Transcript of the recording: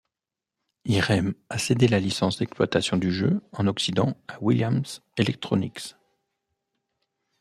Irem a cédé la licence d'exploitation du jeu en occident à Williams Electronics.